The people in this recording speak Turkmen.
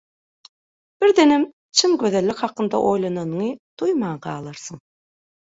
Birdenem çyn gözellik hakynda oýlananyňy duýman galarsyň.